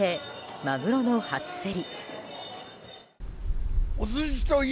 マグロの初競り。